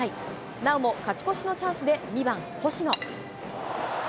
なおも勝ち越しのチャンスで２番星野。